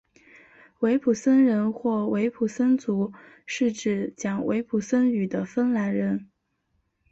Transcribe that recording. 维普森人或维普森族是指讲维普森语的芬兰人。